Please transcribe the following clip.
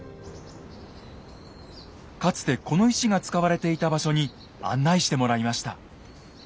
かつてこの石が使われていた場所に案内してもらいました。